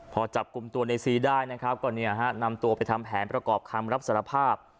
พอจับกลุ่มตัวในซีได้นะครับก็เนี่ยฮะนำตัวไปทำแผนประกอบคำรับสารภาพ